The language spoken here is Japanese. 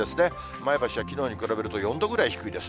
前橋はきのうに比べると４度ぐらい低いです。